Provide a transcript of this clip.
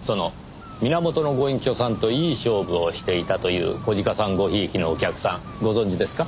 その源のご隠居さんといい勝負をしていたという小鹿さんご贔屓のお客さんご存じですか？